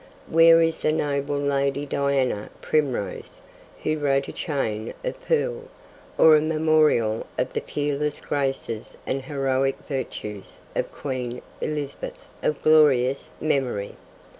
Where is 'the noble ladie Diana Primrose,' who wrote A Chain of Pearl, or a memorial of the peerless graces and heroic virtues of Queen Elizabeth, of glorious memory?